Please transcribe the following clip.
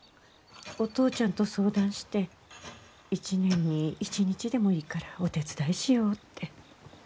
お父ちゃんと相談して一年に一日でもいいからお手伝いしようって。